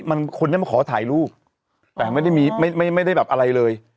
มันคนนี้มาขอถ่ายรูปแต่ไม่ได้มีไม่ไม่ได้แบบอะไรเลย